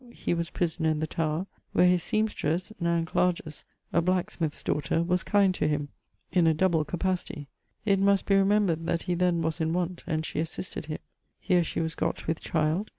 he was prisoner in the Tower, where his semstres, Nan Cl (a blacksmith's[XXVII.] daughter), was kind to him; in a double capacity. It must be remembred that he then was in want[XXVIII.], and she assisted him. Here she was gott with child.